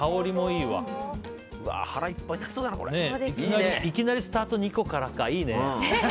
いきなりスタート２個からかいいね。